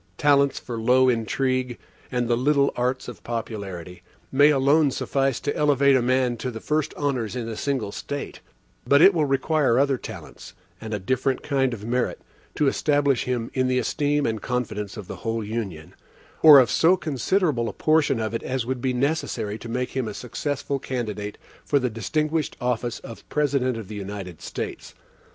Talents for low intrigue, and the little arts of popularity, may alone suffice to elevate a man to the first honors in a single State; but it will require other talents, and a different kind of merit, to establish him in the esteem and confidence of the whole Union, or of so considerable a portion of it as would be necessary to make him a successful candidate for the distinguished office of President of the United States.